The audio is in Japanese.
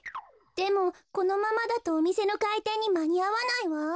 でもこのままだとおみせのかいてんにまにあわないわ。